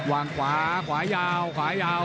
วางขวาขวายาวขวายาว